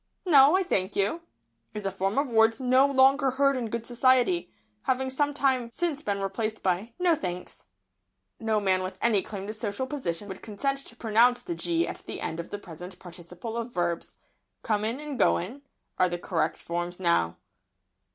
"No, I thank you," is a form of words no longer heard in good society, having some time since been replaced by "No, thanks." No man with any claim to social position would consent to pronounce the "g" at the end of the present participle of verbs. "Comin' and goin'" are the correct forms just now.